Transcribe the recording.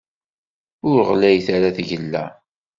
Ur ɣlayet ara tgella.